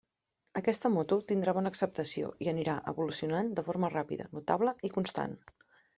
Aquesta moto tindrà bona acceptació i anirà evolucionant de forma ràpida, notable i constant.